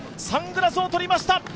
サングラスをとりました、